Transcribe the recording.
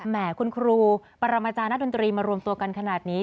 แห่คุณครูปรมาจารย์นักดนตรีมารวมตัวกันขนาดนี้